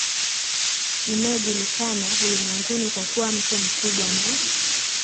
inayojulikana ulimwenguni kwa kuwa mto mkubwa na